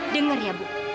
dengar ya bu